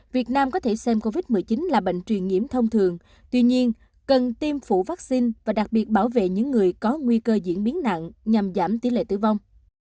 việt nam có thể xem covid một mươi chín là bệnh truyền nhiễm thông thường tuy nhiên cần tiêm phủ vaccine và đặc biệt bảo vệ những người có nguy cơ diễn biến nặng nhằm giảm tỷ lệ tử vong